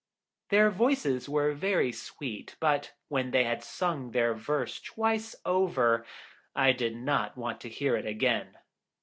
Their voices were very sweet, but when they had sung that verse twice over, I did not want to hear it again.